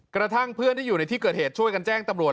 กระทั่งเพื่อนที่อยู่ในที่เกิดเหตุช่วยกันแจ้งตำรวจ